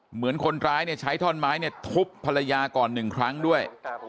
เหมือนคนร้ายเนี่ยใช้ท่อนไม้เนี่ยทุบภรรยาก่อนหนึ่งครั้งด้วย